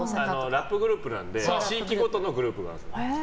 ラップグループなんで地域ごとのグループなんです。